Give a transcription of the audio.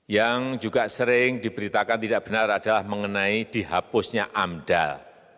yang juga sering diberitakan tidak benar adalah mengenai dihapusnya amdal